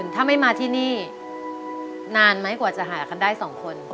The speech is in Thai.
๖๐๐๐๐ถ้าไม่มาที่นี่นานไหมกว่าจะหาอย่างใดสองคน